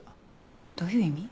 どういう意味？